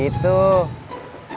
dik dik yang bakal naik